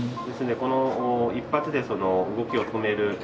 ですので一発で動きを止める。